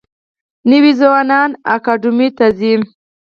نوي ځوانان اکاډمیو ته ځي.